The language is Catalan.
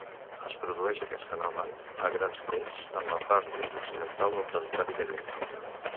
Es produeix aquest fenomen, a grans trets, en la part més occidental del territori gallec.